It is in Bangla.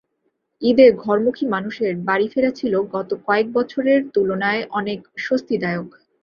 ঈদে ঘরমুখী মানুষের বাড়ি ফেরা ছিল গত কয়েক বছরের তুলনায় অনেক স্বস্তিদায়ক।